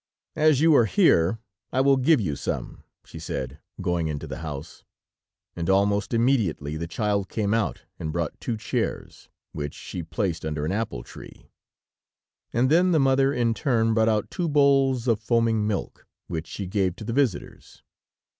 "As you are here, I will give you some," she said, going into the house, and almost immediately the child came out and brought two chairs, which she placed under an apple tree, and then the mother in turn brought out two bowls of foaming milk, which she gave to the visitors.